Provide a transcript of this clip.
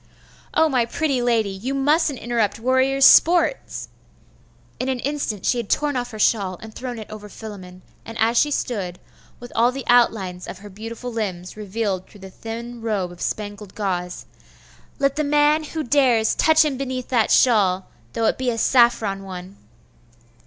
'Oh, my pretty lady! you mustn't interrupt warriors' sport!' In an instant she had torn off her shawl, and thrown it over Philammon; and as she stood, with all the outlines of her beautiful limbs revealed through the thin robe of spangled gauze 'Let the man who dares, touch him beneath that shawl! though it be a saffron one!